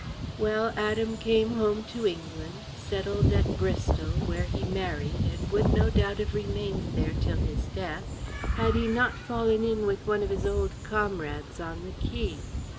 Well, Adam came home to England, settled at Bristol, where he married, and would no doubt have remained there till his death, had he not fallen in with one of his old comrades on the quay.